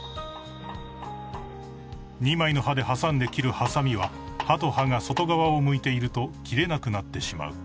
［２枚の刃で挟んで切るはさみは刃と刃が外側を向いていると切れなくなってしまう］